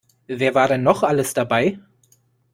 Wer war denn noch alles dabei?